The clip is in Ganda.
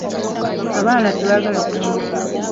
Abaana tebagala kusoma.